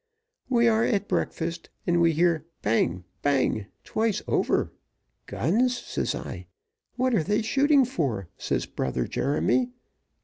we are at breakfast, and we hear bang! bang! twice over. 'Guns,' says I. 'What are they shooting for?' says Brother Jeremy.